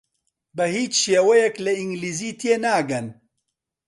بە هیچ شێوەیەک لە ئینگلیزی تێناگەن.